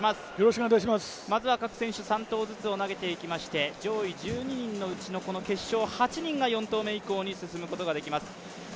まず各選手３投ずつ行って上位１２人のうちの決勝８人が４投目以降に進むことができます。